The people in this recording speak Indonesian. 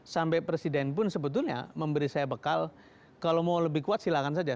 sampai presiden pun sebetulnya memberi saya bekal kalau mau lebih kuat silahkan saja